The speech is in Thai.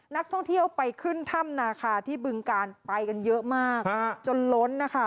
นักท่องเที่ยวไปขึ้นถ้ำนาคาที่บึงการไปกันเยอะมากจนล้นนะคะ